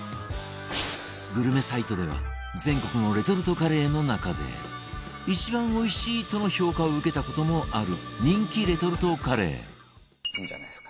グルメサイトでは全国のレトルトカレーの中で一番おいしいとの評価を受けた事もある人気レトルトカレーいいんじゃないですか。